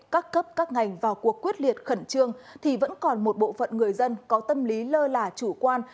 các cấp các ngành vào cuộc quyết liệt khẩn trương thì vẫn còn một bộ phận người dân có tâm lý lơ là chủ quan